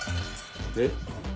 えっ？